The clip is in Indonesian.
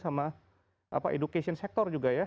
sama education sector juga ya